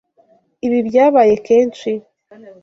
Ibi byabaye kenshi?